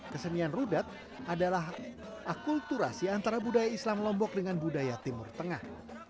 kesenian rudat adalah akulturasi antara budaya islam lombok dengan budaya timur tengah